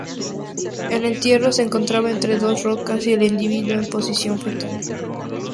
El entierro se encontraba entre dos rocas, y el individuo en posición fetal.